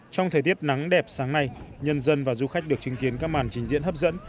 trong thời tiết nắng đẹp sáng nay nhân dân và du khách được chứng kiến các màn trình diễn hấp dẫn